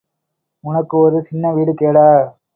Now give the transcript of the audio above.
உனக்கு ஒரு சின்னவீடு கேடா!